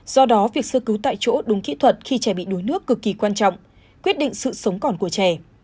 do đó việc sơ cứu tại chỗ đúng kỹ thuật khi trẻ bị đuối nước cực kỳ quan trọng quyết định sự sống còn của trẻ